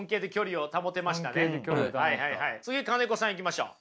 次金子さんいきましょう。